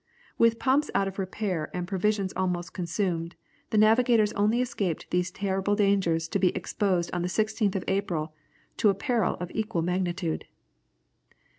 With pumps out of repair and provisions almost consumed, the navigators only escaped these terrible dangers to be exposed on the 16th of April to a peril of equal magnitude.